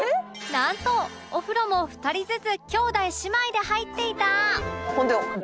なんとお風呂も２人ずつ兄弟姉妹で入っていた